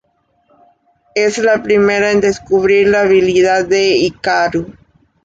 Es la primera en descubrir la habilidad de Hikaru.